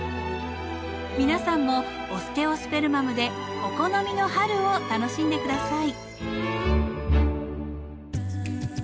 皆さんもオステオスペルマムでお好みの春を楽しんで下さい。